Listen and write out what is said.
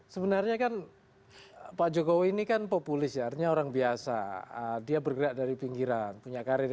sebenarnya kan pak jokowi ini kan populis ya artinya orang biasa dia bergerak dari pinggiran punya karir